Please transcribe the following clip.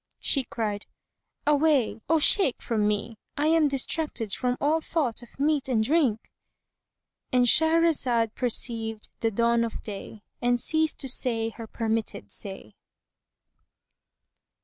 She cried, "Away, O Shaykh, from me! I am distracted from all thought of meat and drink."——And Shahrazad perceived the dawn of day and ceased to say her permitted say.